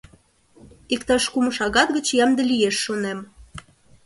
Иктаж кум шагат гыч ямде лиеш, шонем.